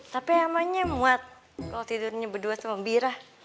tapi emangnya muat kalau tidurnya berdua itu membirah